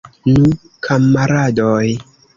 Nu, kamaradoj!